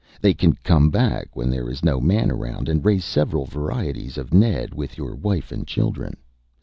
They can come back when there is no man around, and raise several varieties of Ned with your wife and children.